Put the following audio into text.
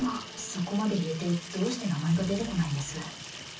そこまで言えてどうして名前が出てこないんです？